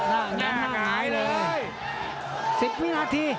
ง่ายเลย